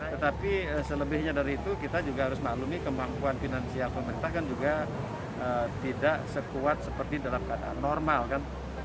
tetapi selebihnya dari itu kita juga harus maklumi kemampuan finansial pemerintah kan juga tidak sekuat seperti dalam keadaan normal kan